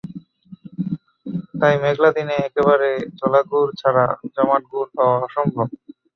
তাই মেঘলা দিনে একেবারে ঝোলা গুড় ছাড়া জমাট গুড় পাওয়া অসম্ভব।